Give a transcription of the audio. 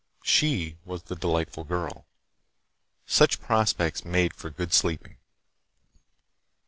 She was the delightful girl. Such prospects made for good sleeping.